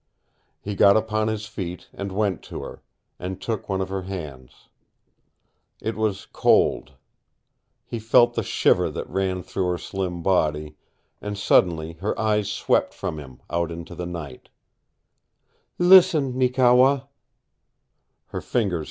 He got upon his feet and went to her, and took one of her hands. It was cold. He felt the shiver that ran through her slim body, and suddenly her eyes swept from him out into the night. "Listen, Neekewa!"